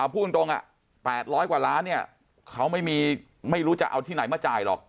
พูดตรง๘๐๐กว่าล้านเนี่ยเขาไม่รู้จะเอาที่ไหนมาจ่ายหรอก